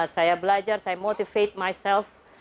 saya belajar saya motivate myself